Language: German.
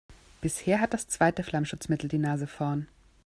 Bisher hat das zweite Flammschutzmittel die Nase vorn.